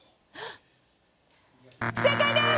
不正解です！